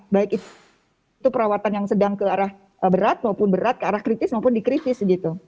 baik itu perawatan yang sedang ke arah berat maupun berat ke arah kritis maupun dikritis gitu